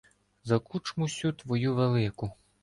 За кучму сю твою велику